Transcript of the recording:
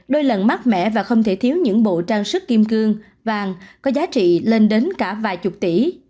đôi lần mát mẻ và không thể thiếu những bộ trang sức kim cương vàng có giá trị lên đến cả vài chục tỷ